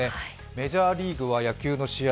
メジャーリーグは野球の試合